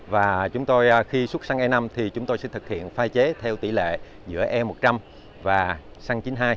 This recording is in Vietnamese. và khi xuất xăng e năm thì chúng tôi sẽ thực hiện phá chế theo tỷ lệ giữa e một trăm linh và xăng chín mươi hai